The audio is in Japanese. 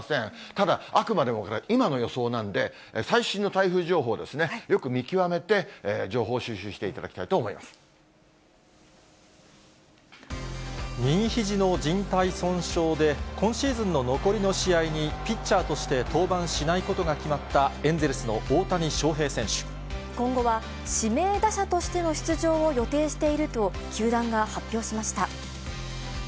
ただ、あくまでもこれ、今の予想なんで、最新の台風情報ですね、よく見極めて、情報収集していただきたい右ひじのじん帯損傷で、今シーズンの残りの試合にピッチャーとして登板しないことが決ま今後は、指名打者としての出場を予定していると、球団が発表しました。